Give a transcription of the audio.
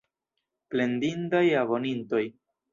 Plendindaj abonintoj!